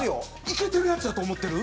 いけてるやつやと思ってる？